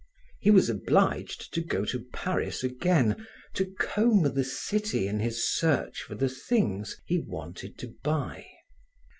He was obliged to go to Paris again, to comb the city in his search for the things he wanted to buy.